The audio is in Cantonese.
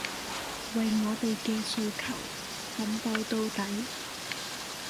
為我哋嘅訴求奮戰到底